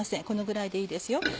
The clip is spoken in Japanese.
このぐらいでいいですよ